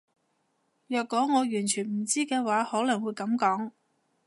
若果我完全唔知嘅話可能會噉講